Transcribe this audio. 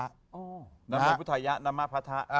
นะโมพุทธัยะนะมะพระทะ